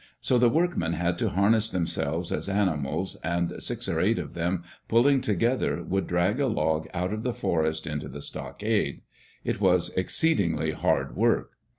So the workmen had to harness themselves as animals, and six or eight of them, pulling together, would drag a log out of the forest into the stockade. It was exceedingly hard work.